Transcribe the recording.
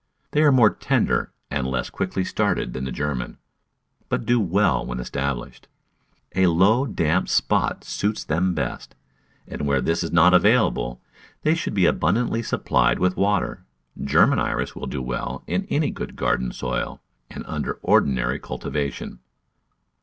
They are more tender and less quickly started than the German, but do well when established. A low, damp spot suits them best, and where this is not available they should be abundantly supplied with water. German Iris will Digitized by Google loo The Flower Garden [Chapter do well in any good garden soil and under ordinary cultivation.